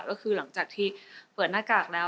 ก็คือหลังจากที่เปิดหน้ากากแล้ว